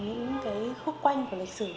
những khúc quanh của lịch sử